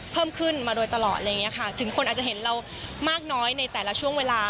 เพิ่มขึ้นมาโดยตลอดถึงคนอาจจะเห็นเรามากน้อยในแต่ละช่วงเวลา